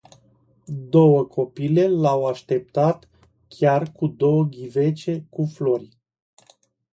Două copile l-au așteptat chiar cu două ghivece cu flori.